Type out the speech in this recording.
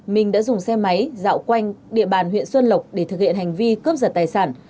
minh đã dùng xe máy dạo quanh địa bàn huyện xuân lộc để thực hiện hành vi cướp giật tài sản